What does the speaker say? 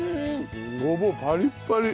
ごぼうパリッパリ。